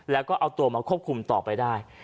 แล้วก็เอาตัวมาควบคุมต่อไปได้